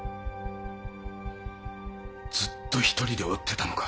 ずっと一人で追ってたのか。